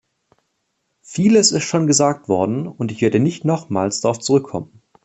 Vieles ist schon gesagt worden, und ich werde nicht nochmals darauf zurückkommen.